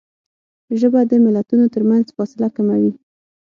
ژبه د ملتونو ترمنځ فاصله کموي